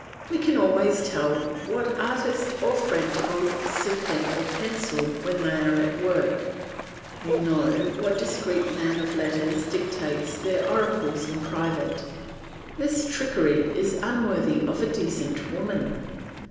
We can always tell what artist or friend holds the pen or pencil when they are at work; we know what discreet man of letters dictates their oracles in private. This trickery is unworthy of a decent woman.